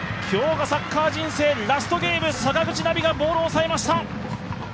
今日がサッカー人生ラストゲーム、坂口波がボールを抑えました！